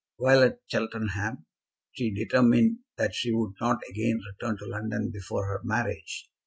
While at Cheltenham, she determined that she would not again return to London before her marriage.